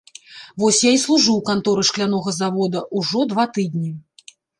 Вось я і служу ў канторы шклянога завода, ужо два тыдні.